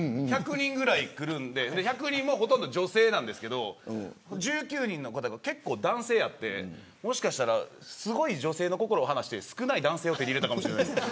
１００人ぐらい来るので１００人ぐらいの方ほとんど女性なんですけど１９人の方は結構、男性でもしかしたらすごい女性の心を離して少ない男性を手に入れたかもしれない。